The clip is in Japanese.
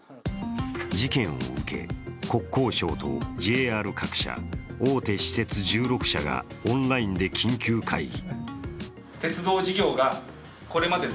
事件を受け、国交省とＪＲ各社、大手私鉄１６社がオンラインで緊急会議。